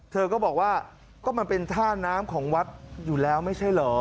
เธอก็บอกว่าก็มันเป็นท่าน้ำของวัดอยู่แล้วไม่ใช่เหรอ